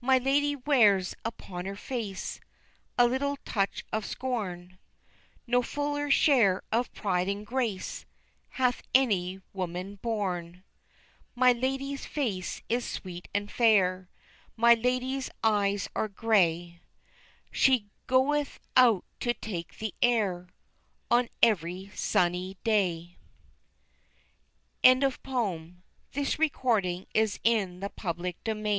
My ladye wears upon her face A little touch of scorn, No fuller share of pride and grace Hath any woman born. My ladye's face is sweet and fair, My ladye's eyes are grey, She goeth out to take the air On every sunny day. [Illustration: Decorative image unavailable.